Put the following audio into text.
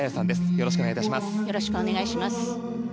よろしくお願いします。